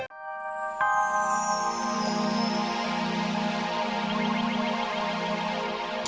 cacing buat bang ojek